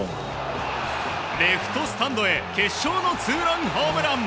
レフトスタンドへ決勝のツーランホームラン。